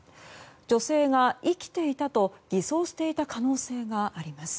女性が生きていたと偽装していた可能性があります。